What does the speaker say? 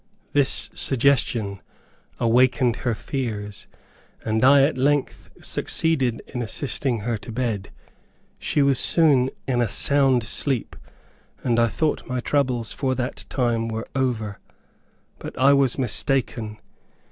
This suggestion awakened her fears, and I at length succeeded in assisting her to bed. She was soon in a sound sleep, and I thought my troubles for that time were over. But I was mistaken.